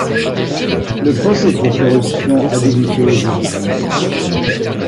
Le procès pour corruption a débuté aujourd’hui.